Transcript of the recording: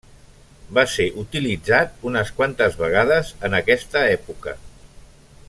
Va ser utilitzat unes quantes vegades en aquesta època.